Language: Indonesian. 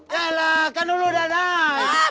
yalah kan dulu udah naik